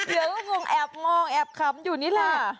เยื่องงแอบมองแอบคำอยู่นี่แหละ